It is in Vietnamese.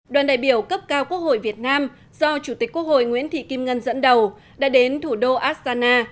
đoàn đại biểu cấp cao quốc hội việt nam do chủ tịch quốc hội nguyễn thị kim ngân dẫn đầu đã đến thủ đô astana